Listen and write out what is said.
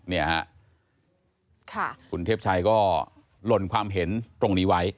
เนี่ยฮะคุณเทพชัยก็หล่นความเห็นตรงนี้ไว้